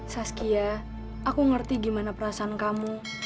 saskia aku ngerti gimana perasaan kamu